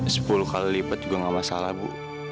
sepuluh kali lipat juga nggak masalah bu